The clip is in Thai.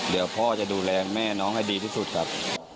เดี๋ยวพ่อจะดูแลแม่น้องให้ดีที่สุดครับ